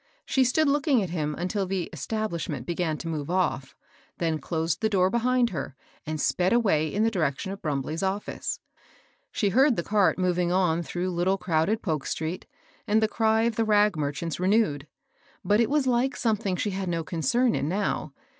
She stood looking at him until the "establish ment" began to move off, then closed the door behind her, and sped away in the direction of Brumbley's oflSce. She heard the cart moving on through little crowded Polk street, and the cry of the rag merchants' renewed ; but it was like some thing she had no concern in now.